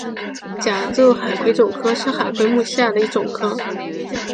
甲胄海葵总科是海葵目下的一总科。